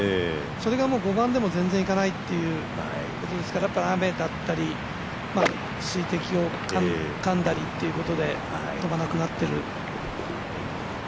それがもう５番でも全然いかないっていうことですからやっぱり雨だったり水滴をかんだりってことで飛ばなくなってる。